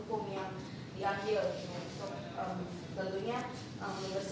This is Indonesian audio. mengapa sampai pihak kepolisian ini memiliki medok pabrik beras seperti itu